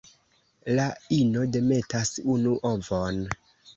La ino demetas unu ovon.